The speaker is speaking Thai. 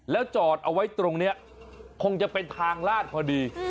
แล้วจอดเอาไว้ตรงนี้คงจะเป็นทางลาดพอดี